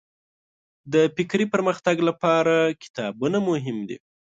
د فکري پرمختګ لپاره کتابونه مهم دي.